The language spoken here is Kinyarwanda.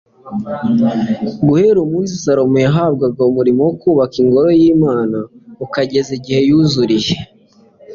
guhera umunsi salomo yahabwaga umurimo wo kubaka ingoro y'imana ukageza igihe yuzuriye